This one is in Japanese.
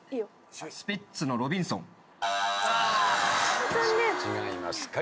スピッツの『ロビンソン』違います。